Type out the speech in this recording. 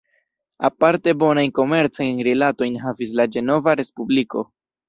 Aparte bonajn komercajn rilatojn havis la Ĝenova Respubliko.